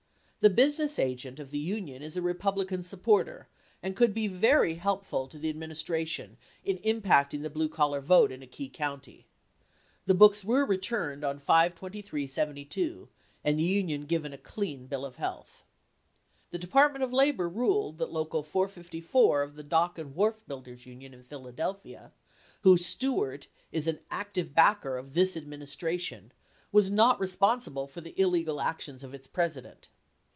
The Business Agent of the Union is a Republican supporter and could be very helpful to the Ad ministration in impacting the blue collar vote in a key county. The books were returned on 5/23/72 and the Union given a clean bill of health The Department of Labor ruled that Local 454 of the Dock and Wharf Builders Union in Philadelphia, whose steward is an active backer of this Administration, was not responsible for the illegal actions of its President.